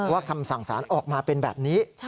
คำสั่งสารออกมาเป็นแบบนี้